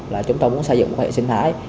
là chúng tôi muốn xây dựng một khách hàng sinh thái